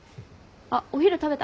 あっお昼食べた？